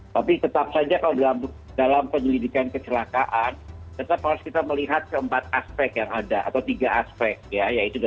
tapi tetap saja kalau dalam penyelidikan kecelakaan tetap harus kita melihat keempat aspek yang ada atau tiga aspek ya